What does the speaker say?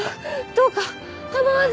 どうか構わず。